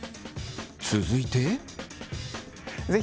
続いて。